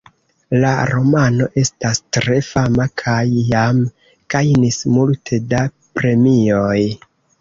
La romano estas tre fama kaj jam gajnis multe da premioj.